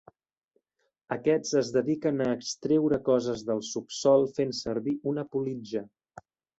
Aquests es dediquen a extreure coses del subsòl fent servir una politja.